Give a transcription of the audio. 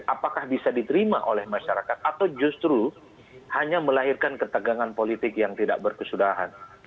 apakah bisa diterima oleh masyarakat atau justru hanya melahirkan ketegangan politik yang tidak berkesudahan